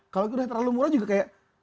kalau udah terlalu murah juga kayak